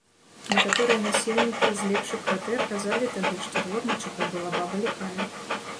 Некаторыя насельнікі з лепшых кватэр казалі тады, што дворнічыха была баба ліхая.